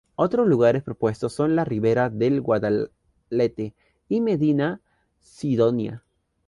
Otros lugares propuestos son la ribera del Guadalete y Medina Sidonia.